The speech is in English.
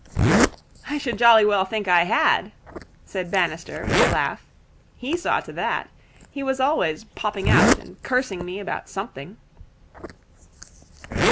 'I should jolly well think I had,' said Bannister with a laugh. 'He saw to that. He was always popping out and cursing me about something.'